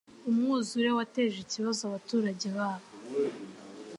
Umwuzure wateje ikibazo abaturage babo.